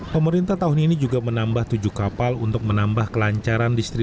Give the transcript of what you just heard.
pemerintah tahun ini juga menambah tujuh kapal untuk menambah kelancaran distribusi